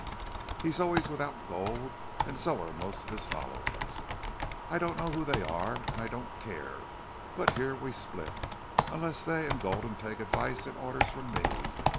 He's always without gold. And so are most of his followers. I don't know who they are. And I don't care. But here we split unless they and Gulden take advice and orders from me.